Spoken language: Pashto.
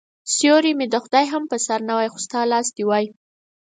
سیوری مې د خدای هم په سر نه وای خو ستا لاس دي وای